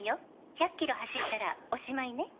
「１００キロ走ったらおしまいね」